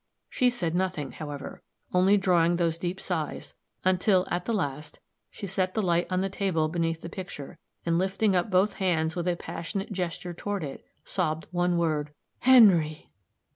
She said nothing, however; only drawing those deep sighs; until, at the last, she set the light on the little table beneath the picture, and, lifting up both hands with a passionate gesture toward it, sobbed one word "Henry!"